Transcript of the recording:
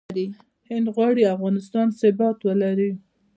هند غواړي افغانستان ثبات ولري.